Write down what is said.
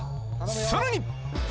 さらに！